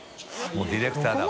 もうディレクターだわ。